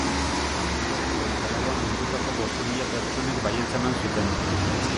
Urriaren hogeita lauan bildutako bost mila pertsonek baietza eman zuten.